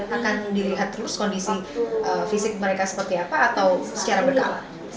akan dilihat terus kondisi fisik mereka seperti apa atau secara berdalam